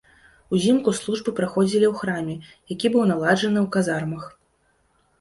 Узімку службы праходзілі ў храме, які быў наладжаны ў казармах.